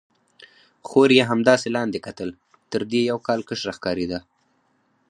خور یې همداسې لاندې کتل، تر دې یو کال کشره ښکارېده.